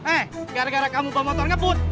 eh gara gara kamu bawa motor ngebut